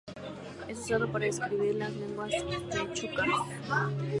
Es usado para escribir las lenguas quechuas.